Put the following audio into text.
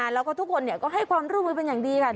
แล้วก็ทุกคนก็ให้ความร่วมมือเป็นอย่างดีค่ะ